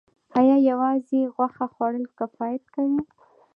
ایا یوازې غوښه خوړل کفایت کوي